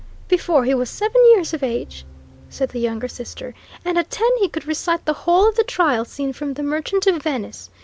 "Before he was seven years of age!" said the younger sister. "And at ten he could recite the whole of the trial scene from 'The Merchant of Venice.'